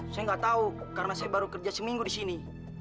saya gak tahu karena saya baru kerja seminggu disini